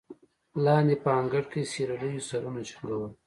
لاندې په انګړ کې سېرليو سرونه جنګول.